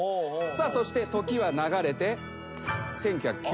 さあそして時は流れて。